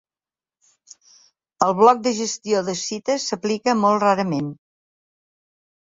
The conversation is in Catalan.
El bloc de gestió de cites s'aplica molt rarament.